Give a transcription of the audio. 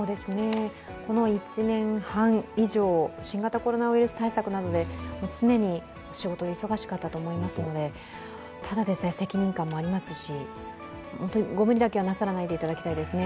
この１年半以上、新型コロナウイルス対策などで常に仕事で忙しかったと思いますのでただでさえ責任感もありますし、本当にご無理だけはなさらないでいただきたいですね。